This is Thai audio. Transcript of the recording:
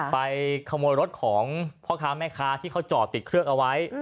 ไปขโมยรถของพ่อค้าแม่ค้าที่เขาจอดติดเครื่องเอาไว้